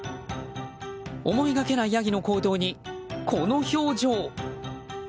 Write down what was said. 思いがけないヤギの行動にこの表情。